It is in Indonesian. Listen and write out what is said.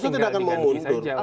itu tidak akan mau mundur